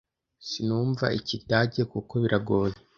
Sinumva Ikidage, kuko biragoye.